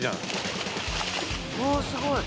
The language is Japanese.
「おすごい！」